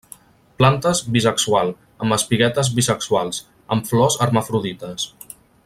Plantes bisexual, amb espiguetes bisexuals; amb flors hermafrodites.